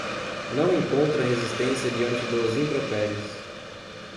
Não encontra resistência diante dos impropérios